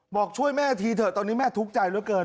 บอกช่วยแม่ทีเถอะตอนนี้แม่ทุกข์ใจเหลือเกิน